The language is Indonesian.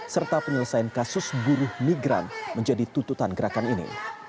serta penyelesaian kasus buruh migran menjadi tuntutan gerakan ini